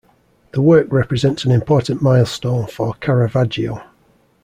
The work represents an important milestone for Caravaggio.